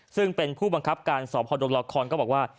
ซึ่งเป็นผู้บังคับการสพดงละครก็บอกว่า